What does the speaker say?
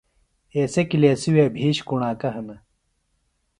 اسی کلیسیۡ وے بِھیش کُݨاکہ ہِنہ۔